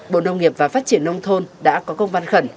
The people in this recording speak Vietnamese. bộ nông nghiệp và phát triển nông thôn đã có công văn khẩn